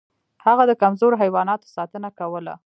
هغه د کمزورو حیواناتو ساتنه کوله.